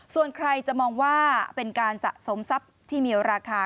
ส่วนใครจะมองว่าเป็นการสะสมทรัพย์ที่มีราคา